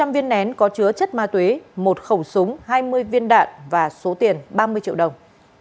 một mươi viên nén có chứa chất ma túy một khẩu súng hai mươi viên đạn và số tiền ba mươi triệu đồng